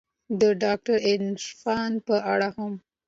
د داکتر عرفان په اړه هم